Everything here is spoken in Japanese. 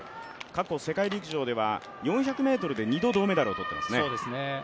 過去世界陸上では４００ｍで２度銅メダルを取っています。